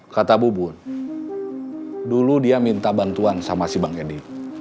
kata bubun dulu dia minta bantuan sama si bang edi